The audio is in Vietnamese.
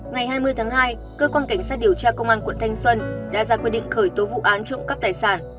ngày hai mươi tháng hai cơ quan cảnh sát điều tra công an quận thanh xuân đã ra quyết định khởi tố vụ án trộm cắp tài sản